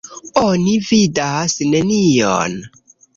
Oni vidas nenion.